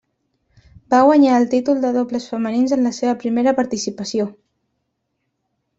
Va guanyar el títol de dobles femenins en la seva primera participació.